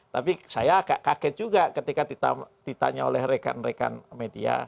tapi saya agak kaget juga ketika ditanya oleh rekan rekan media